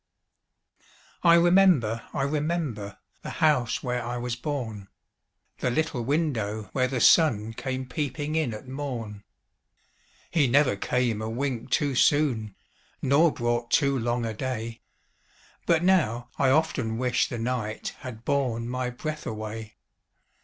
I remember, I remember, The house where I was born, The little window where the sun Came peeping in at morn; He never came a wink too soon, Nor brought too long a day, But now, I often wish the night Had borne my breath away!